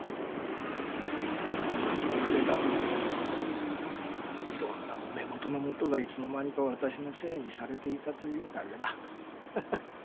ご勘気に触れたというのも要するにいろんなもめごとのもとがいつのまにか私のせいにされていたというだけだ。